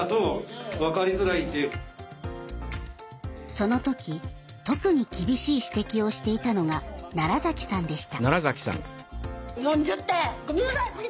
その時特に厳しい指摘をしていたのが奈良さんでした。